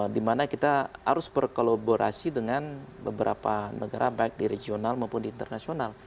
dimana kita harus berkolaborasi dengan beberapa negara baik di regional maupun di internasional